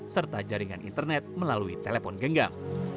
serta jaringan internet melalui telepon genggam